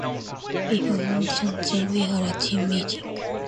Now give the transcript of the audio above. We had lunch and then we had a team meeting.